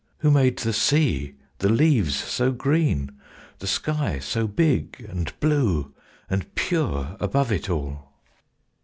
Who made the sea, the leaves so green, the sky So big and blue and pure above it all?